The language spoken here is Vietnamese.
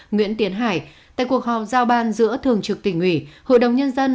nguyễn tiến hải tại cuộc họp giao ban giữa thường trực tỉnh ủy hội đồng nhân dân